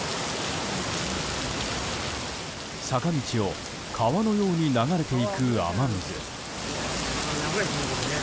坂道を川のように流れていく雨水。